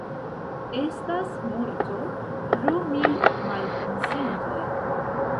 Estas morto pro mil malkonsentoj.